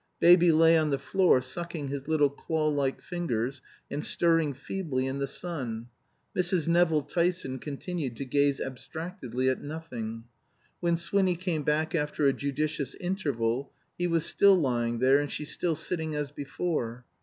Baby lay on the floor sucking his little claw like fingers, and stirring feebly in the sun. Mrs. Nevill Tyson continued to gaze abstractedly at nothing. When Swinny came back after a judicious interval, he was still lying there, and she still sitting as before.